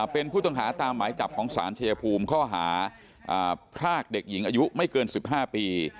เป็นผู้ต้องหาตามหมายจับของศาลชายภูมิข้อหาพรากเด็กหญิงอายุไม่เกิน๑๕ปี